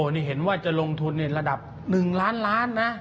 นี่เห็นว่าจะลงทุนในระดับ๑ล้านล้านนะ